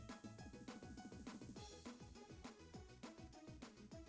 kamu aja yang makan ya